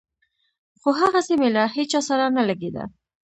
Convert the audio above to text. خو هغسې مې له هېچا سره نه لګېده.